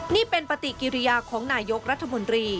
นี่เป็นปฏิกิริยาของนายกรัฐมนตรี